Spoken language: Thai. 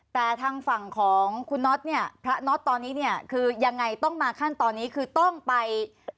แต่ทางฝั่งของคุณน็อตเนี่ยพระน็อตตอนนี้เนี่ยคือยังไงต้องมาขั้นตอนนี้คือต้องไป